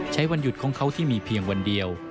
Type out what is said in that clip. วันหยุดของเขาที่มีเพียงวันเดียว